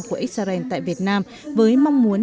của israel tại việt nam với mong muốn